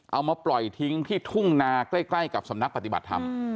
เอามาปล่อยทิ้งที่ทุ่งนาใกล้กับสำนักปฏิบัติธรรม